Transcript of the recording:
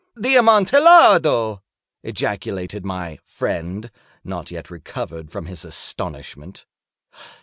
"The Amontillado!" ejaculated my friend, not yet recovered from his astonishment.